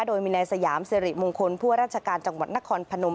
โดยมีนายสยามสิริมงคลผู้ว่าราชการจังหวัดนครพนม